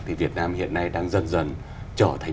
thì việt nam hiện nay đang dần dần trở thành